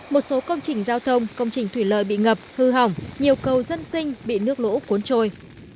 một số công trình giao thông công trình thủy lợi bị ngập hư hỏng nhiều cầu dân sinh bị nước lũ cuốn trôi